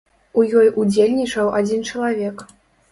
У ёй удзельнічаў адзін чалавек.